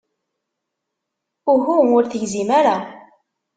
Uhu, ur tegzim ara.